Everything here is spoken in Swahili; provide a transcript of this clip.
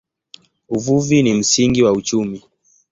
Uvuvi ni msingi wa uchumi.